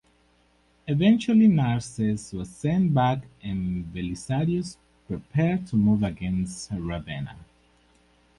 Eventually Narses was sent back and Belisarius prepared to move against Ravenna.